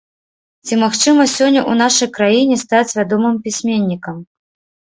Ці магчыма сёння ў нашай краіне стаць вядомым пісьменнікам?